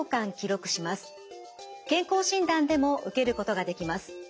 健康診断でも受けることができます。